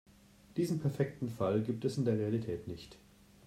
Diesen perfekten Fall gibt es in der Realität nicht.